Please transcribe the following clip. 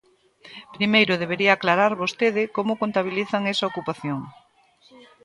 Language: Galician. Primeiro debería aclarar vostede como contabilizan esa ocupación.